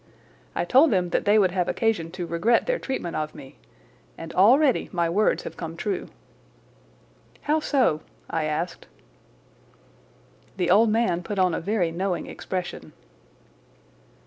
I told them that they would have occasion to regret their treatment of me, and already my words have come true." "How so?" I asked. The old man put on a very knowing expression.